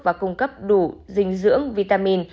và cung cấp đủ dinh dưỡng vitamin